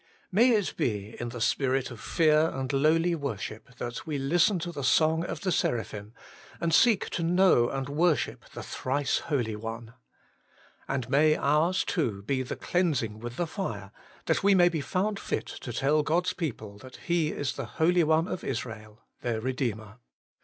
May it be in the spirit of fear and lowly worship that we listen to the song of the seraphim, and seek to know and worship the Thrice Holy One. And may ours too be the cleansing with the fire, that we may be found fit to tell God's people that He is the Holy One of Israel, their Eedeemer.